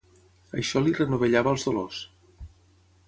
Això li renovellava els dolors.